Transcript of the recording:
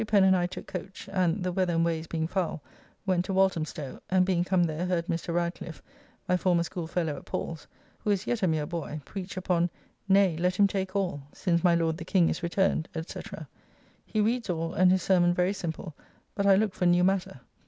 Pen and I took coach, and (the weather and ways being foul) went to Walthamstowe; and being come there heard Mr. Radcliffe, my former school fellow at Paul's (who is yet a mere boy), preach upon "Nay, let him take all, since my Lord the King is returned," &c. He reads all, and his sermon very simple, but I looked for new matter.